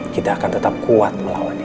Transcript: kita akan tetap kuat melawan ini